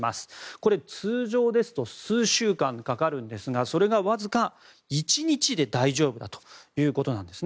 これ、通常ですと数週間かかりますがそれが、わずか１日で大丈夫だということです。